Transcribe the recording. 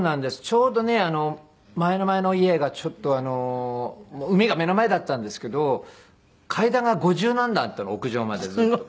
ちょうどね前の前の家がちょっと海が目の前だったんですけど階段が五十何段あったの屋上までずっと。